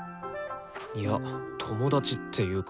いや友達っていうか。